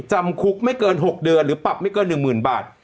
จำคุกไม่เกิน๖เดือนหรือปรับไม่เกิน๑๐๐๐บาท